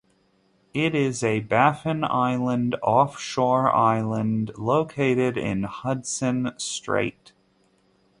It is a Baffin Island offshore island located in Hudson Strait.